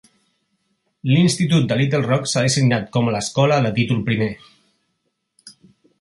L'institut de Littlerock s'ha designat com a escola de Títol I.